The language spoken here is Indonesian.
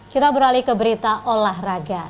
kita beralih ke berita olahraga